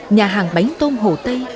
nhà hàng bánh tôm hồ tây